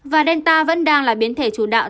và delta vẫn đang là biến thể chủ đạo